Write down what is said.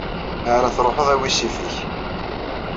Mi ara truḥeḍ, awi ssif-ik.